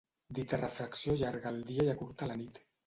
Dita refracció allarga el dia i acurta la nit.